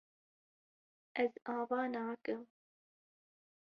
Ez ava nakim.